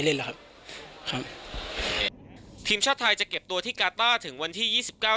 ครับครับทีมชาติไทยจะเก็บตัวที่กาต้าถึงวันที่ยี่สิบเก้า